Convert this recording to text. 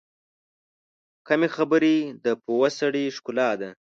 کمې خبرې، د پوه سړي ښکلا ده.